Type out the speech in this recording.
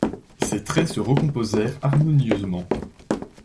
Ses traits se recomposèrent harmonieusement.